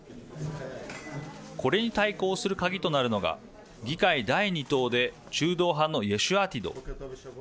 これに対抗する鍵となるのが議会第２党で中道派のイェシュアティド。